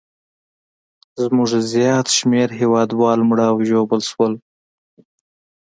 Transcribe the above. زموږ زیات شمېر هیوادوال مړه او ژوبل شول.